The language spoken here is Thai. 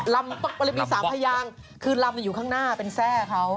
ลำป๊ะอะไรไม่รู้มี๓พยางคือลำอยู่ข้างหน้าเป็นแทรกเขา